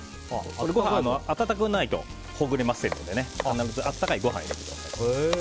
ご飯は温かくないとほぐれませんので温かいご飯を入れてください。